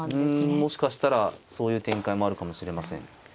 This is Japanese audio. もしかしたらそういう展開もあるかもしれません。